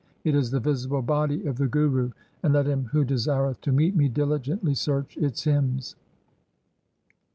It is the visible body of the Guru. And let him who desireth to meet me diligently search its hymns.'